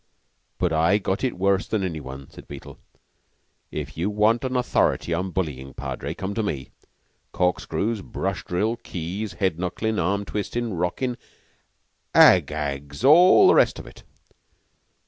"But I got it worse than any one," said Beetle. "If you want an authority on bullyin', Padre, come to me. Corkscrews brush drill keys head knucklin' arm twistin' rockin' Ag Ags and all the rest of it."